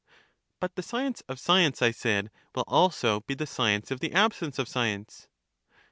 But the science of science, I said, will also be the/ science of the absence of science.